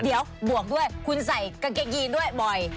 เดี๋ยวบวกด้วยคุณใส่กางเกงยีนด้วยบ่อย